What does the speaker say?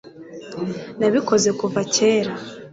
Nabikoze kuva kera